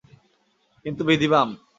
কিন্তু বিধি বাম!